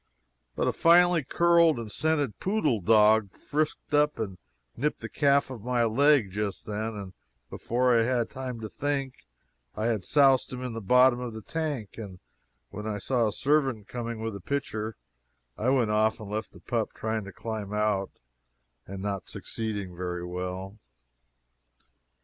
But a finely curled and scented poodle dog frisked up and nipped the calf of my leg just then, and before I had time to think, I had soused him to the bottom of the tank, and when I saw a servant coming with a pitcher I went off and left the pup trying to climb out and not succeeding very well.